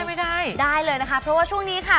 ไม่ได้ได้เลยนะคะเพราะว่าช่วงนี้ค่ะ